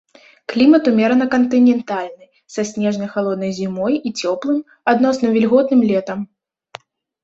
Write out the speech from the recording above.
Клімат умерана кантынентальны са снежнай халоднай зімой і цёплым, адносна вільготным летам.